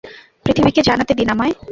পৃথিবীকে জানাতে দিন আমায়!